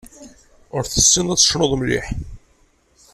Ur tessineḍ ad tecnuḍ mliḥ.